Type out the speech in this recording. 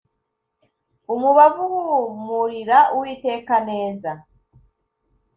umubavu uhumurira Uwiteka neza